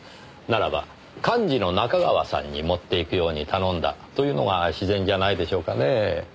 ならば「幹事の仲川さんに持っていくように頼んだ」というのが自然じゃないでしょうかねぇ。